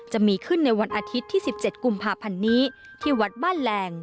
จะมีขึ้นในวันอาทิตย์ที่๑๗กุมภาพันธ์นี้ที่วัดบ้านแหลง